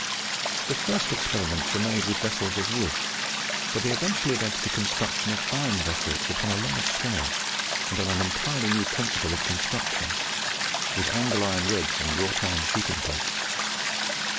The first experiments were made with vessels of wood, but they eventually led to the construction of iron vessels upon a large scale and on an entirely new principle of construction, with angle iron ribs and wrought iron sheathing plates.